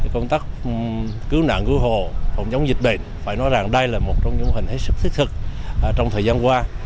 công tác cứu nạn cứu hộ phòng chống dịch bệnh phải nói rằng đây là một trong những mô hình hết sức thiết thực trong thời gian qua